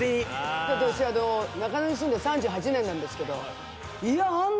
私中野に住んで３８年なんですけどあんな